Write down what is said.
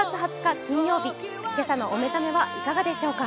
金曜日今朝のお目覚めいかがでしょうか。